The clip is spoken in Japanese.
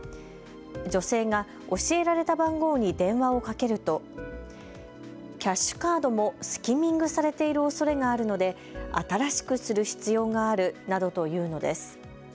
女性が教えられた番号に電話をかけるとキャッシュカードもスキミングされているおそれがあるので新しくする必要があるなどと言うのです。